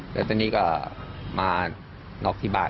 แล้วตอนนี้ก็มาน็อกที่บ้าน